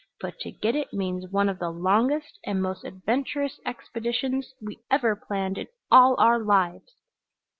But to get it means one of the longest and most adventurous expeditions we ever planned in all our lives!"